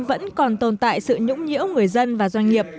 vẫn còn tồn tại sự nhũng nhiễu người dân và doanh nghiệp